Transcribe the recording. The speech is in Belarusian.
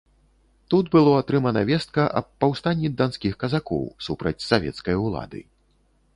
Тут было атрымана вестка аб паўстанні данскіх казакоў супраць савецкай улады.